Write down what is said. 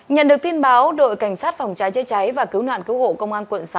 nhận được tin báo đội cảnh sát phòng cháy chế cháy và cứu nạn cứu hộ công an quận sáu